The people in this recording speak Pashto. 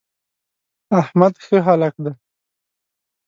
احمد ښه هلک دی.